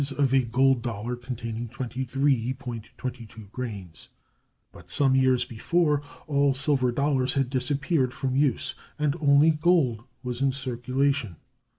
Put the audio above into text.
of a gold dollar containing 23.22 grains); but, some years before, all silver dollars had disappeared from use, and only gold was in circulation.